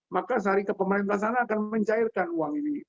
maka syarikat pemerintah sana akan mencairkan uang ini